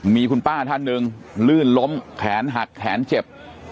มีคุณป้าท่านหนึ่งลื่นล้มแขนหักแขนเจ็บ